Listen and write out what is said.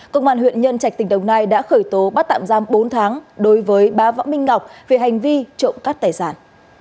công an huyện nhân trạch tỉnh đồng nai đã khởi tố bắt tạm giam bốn tháng đối với bá võ minh ngọc về hành vi trộm cắt tài sản